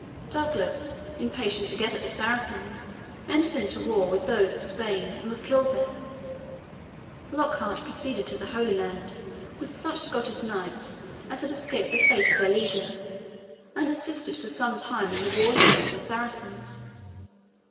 Douglas, impatient to get at the Saracens, entered into war with those of Spain, and was killed there. Lockhart proceeded to the Holy Land with such Scottish knights as had escaped the fate of their leader and assisted for some time in the wars against the Saracens.